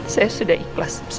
saya sudah ikhlas bersara